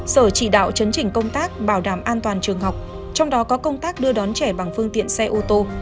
sở chỉ đạo chấn chỉnh công tác bảo đảm an toàn trường học trong đó có công tác đưa đón trẻ bằng phương tiện xe ô tô